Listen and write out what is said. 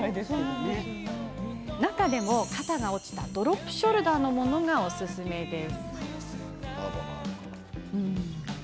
中でも、肩が落ちたドロップショルダーのものがおすすめです。